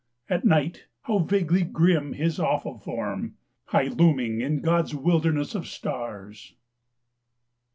At night how vaguely grim his awful form, High looming in God's wilderness of stars